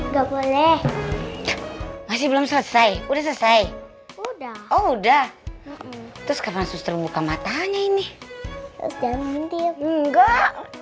gak boleh masih belum selesai udah selesai udah udah terus kamu buka matanya ini enggak